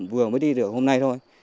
vừa mới đi được hôm nay thôi